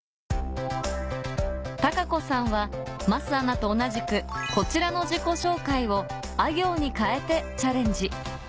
たかこさんは桝アナと同じくこちらの自己紹介をあ行に変えてチャレンジ